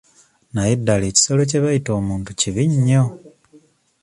Naye ddala ekisolo kye bayita omuntu kibi nnyo .